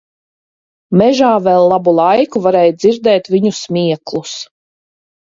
Mežā vēl labu laiku varēja dzirdēt viņu smieklus.